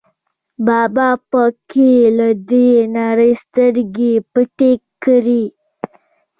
بابا په کې له دې نړۍ سترګې پټې کړې.